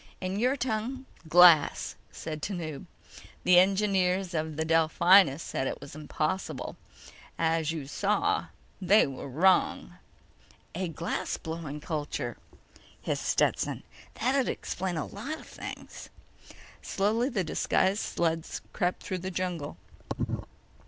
"In your tongue—glass," said Tanub. "The engineers of the Delphinus said it was impossible. As you saw—they are wrong." "A glass blowing culture," hissed Stetson. "That'd explain a lot of things." Slowly, the disguised sled crept through the jungle.